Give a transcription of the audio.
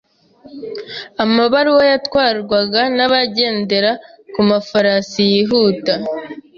Amabaruwa yatwarwaga nabagendera kumafarasi yihuta.